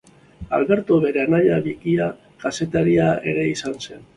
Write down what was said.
Alberto bere anaia bikia kazetaria ere izan zen.